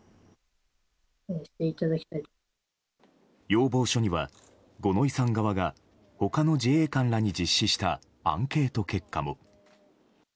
要望書には、五ノ井さん側が他の自衛官らに実施したアンケート結果も。